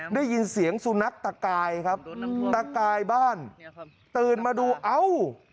ได้ยินเสียงสุนัขตะกายครับตะกายบ้านตื่นมาดูเอ้า